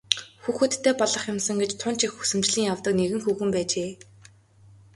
Хүүхэдтэй болох юмсан гэж тун ч их хүсэмжлэн явдаг нэгэн хүүхэн байжээ.